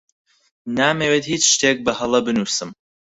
نامەوێت هیچ شتێک بەهەڵە بنووسم.